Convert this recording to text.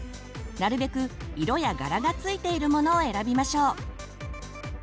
なるべく色や柄がついているモノを選びましょう。